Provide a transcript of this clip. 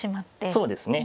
そうですね。